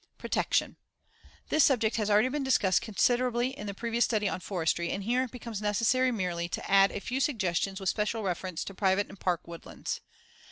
Protection: This subject has already been discussed considerably in the previous study on Forestry, and here it becomes necessary merely to add a few suggestions with special reference to private and park woodlands.